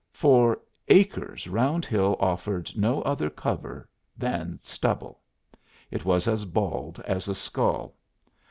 For acres Round Hill offered no other cover than stubble. It was as bald as a skull.